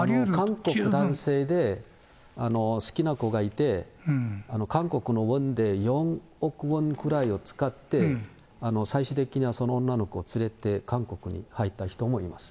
韓国の男性で、好きな子がいて、韓国のウォンで、４億ウォンぐらいを使って、最終的にはその女の子を連れて、韓国に入った人もいます。